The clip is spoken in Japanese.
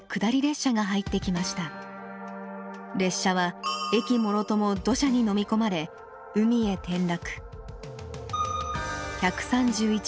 列車は駅もろとも土砂にのみ込まれ海へ転落。